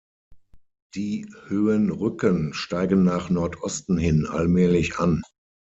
Die Höhenrücken steigen nach Nordosten hin allmählich an.